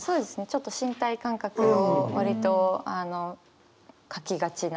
ちょっと身体感覚を割と書きがちな方です。